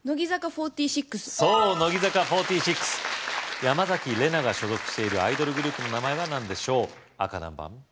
４６そう乃木坂４６山崎怜奈が所属しているアイドルグループの名前は何でしょう赤何番？